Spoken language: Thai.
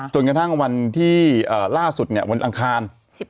จนกระทั่งวันที่ล่าสุดวันอังคาร